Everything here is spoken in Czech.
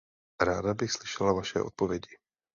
Ráda bych slyšela vaše odpovědi.